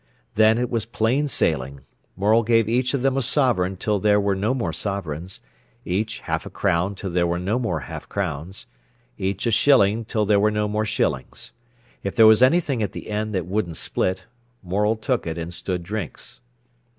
Then it was plain sailing. Morel gave each of them a sovereign till there were no more sovereigns; each half a crown till there were no more half crowns; each a shilling till there were no more shillings. If there was anything at the end that wouldn't split, Morel took it and stood drinks.